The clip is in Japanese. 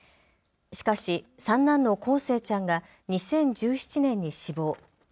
しかし三男の康生ちゃんが２０１７年に死亡。